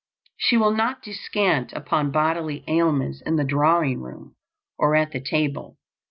She will not descant upon bodily ailments in the drawing room or at the table.